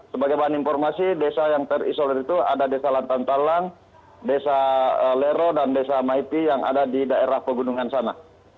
sebagai bahan informasi desa yang terisolir itu ada desa lantang talang desa lero dan desa maipi yang ada di daerah pegunungan sana